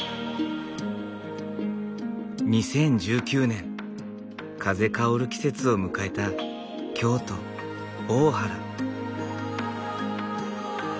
２０１９年風薫る季節を迎えた京都・大原。